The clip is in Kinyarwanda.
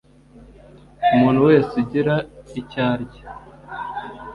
umuntu wese ugira icyo arya